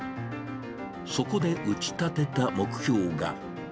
そこで打ち立てた目標が。